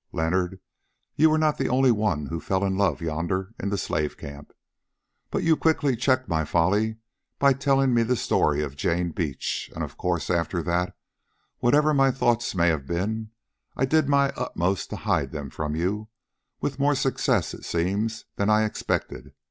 Leonard, you were not the only one who fell in love yonder in the slave camp. But you quickly checked my folly by telling me the story of Jane Beach, and of course after that, whatever my thoughts may have been, I did my utmost to hide them from you, with more success, it seems, than I expected.